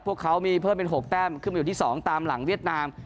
พวกเขามีเพิ่มเป็น๖แต้มขึ้นไปอยู่ที่๒ตามหลังเวียดนาม